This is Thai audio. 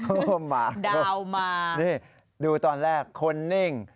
ง่มมาดาวมานี่ดูตอนแรกคนนิ่ง